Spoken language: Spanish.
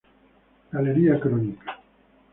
Galería Crónica.